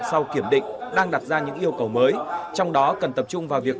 sau kiểm định đang đặt ra những yêu cầu mới trong đó cần tập trung vào việc